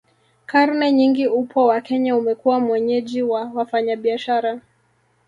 Karne nyingi upwa wa Kenya umekuwa mwenyeji wa wafanyabiashara